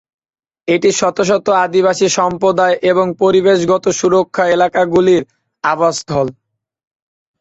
এটি শত শত আদিবাসী সম্প্রদায় এবং পরিবেশগত সুরক্ষা এলাকাগুলির আবাসস্থল।